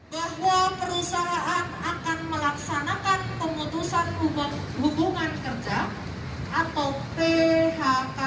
bahwa perusahaan akan melaksanakan keputusan hubungan kerja